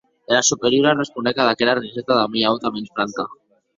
Era Superiora responec ad aquera riseta damb ua auta mens franca.